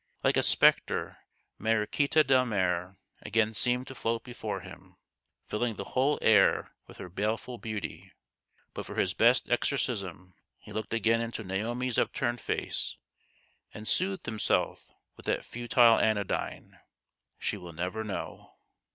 Like a spectre Mariquita Delmare again seemed to float before him, filling the whole air with her baleful beauty ; but for his best exorcism he looked again into Naomi's upturned face, and soothed himself with that futile anodyne :" She will never know